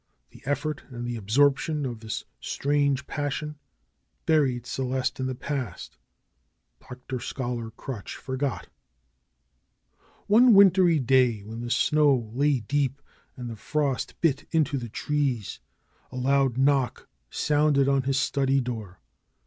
The ef fort and the absorption of this strange passion buried Celeste in the past. Dr. Scholar Crutch forgot. One wintry day when the snow lay deep and the frost bit into the trees a loud knock sounded on his study door.